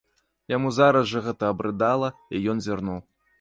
Яму зараз жа гэта абрыдала, і ён зірнуў.